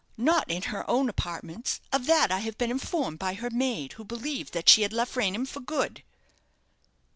"Not in her own apartments. Of that I have been informed by her maid, who believed that she had left Raynham for good."